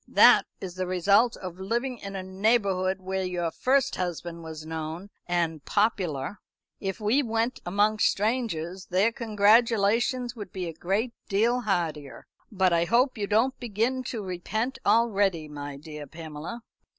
"That is the result of living in a neighbourhood where your first husband was known and popular. If we went among strangers, their congratulations would be a great deal heartier. But I hope you don't begin to repent already, my dear Pamela."